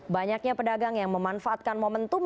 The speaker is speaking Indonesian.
banyaknya pedagang yang memanfaatkan momentum